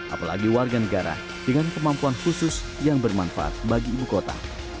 apalagi warga negara dengan kemampuan khusus yang bermanfaat bagi ibu kota